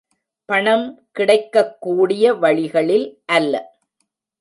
பணம் கிடைக்கக்கூடிய வழிகளில் அல்ல.